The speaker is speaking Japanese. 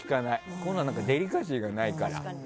それはデリカシーがないから。